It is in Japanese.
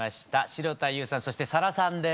城田優さんそしてｓａｒａさんです。